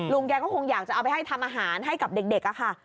แกก็คงอยากจะเอาไปให้ทำอาหารให้กับเด็กค่ะ